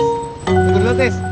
tunggu dulu tis